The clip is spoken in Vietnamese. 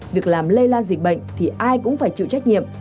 việc làm lây lan dịch bệnh thì ai cũng phải chịu trách nhiệm